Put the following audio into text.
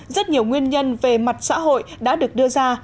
rất nhiều nguyên nhân về mặt xã hội đã được đưa ra